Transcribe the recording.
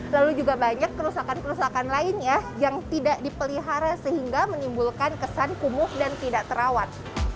lalu juga banyak kerusakan kerusakan lainnya yang tidak dipelihara sehingga menimbulkan kesan kumuh dan tidak terawat